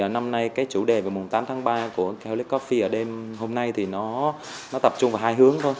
năm nay cái chủ đề về mùng tám tháng ba của holix coffee hôm nay thì nó tập trung vào hai hướng thôi